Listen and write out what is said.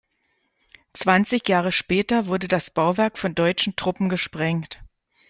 Zwanzig Jahre später wurde das Bauwerk von deutschen Truppen gesprengt.